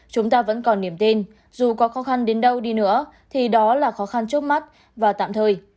chúng ta vẫn còn niềm tin dù có khó khăn đến đâu đi nữa thì đó là khó khăn trước mắt và tạm thời